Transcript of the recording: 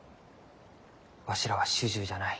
わしらは主従じゃない。